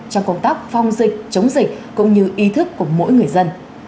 trong công tác phòng dịch chống dịch cũng như ý thức của mỗi người dân